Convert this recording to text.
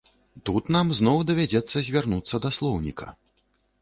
Тут нам зноў давядзецца звярнуцца да слоўніка.